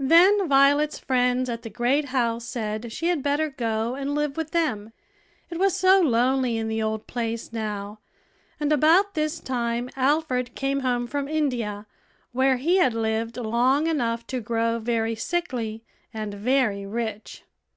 Then Violet's friends at the great house said she had better go and live with them, it was so lonely in the old place now; and about this time Alfred came home from India, where he had lived long enough to grow very sickly and very rich.